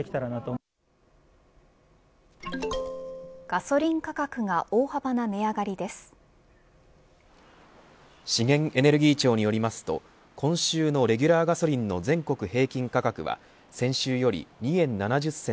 ガソリン価格が大幅な資源エネルギー庁によりますと今週のレギュラーガソリンの全国平均価格は先週より２円７０銭